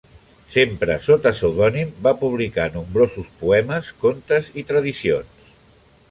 Sempre sota pseudònim va publicar nombrosos poemes, contes i tradicions.